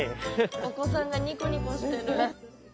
お子さんがニコニコしてる。